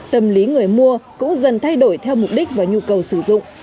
tâm lý người mua cũng dần thay đổi theo mục đích và nhu cầu sử dụng